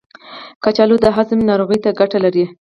کچالو د هاضمې ناروغیو ته ګټه لري.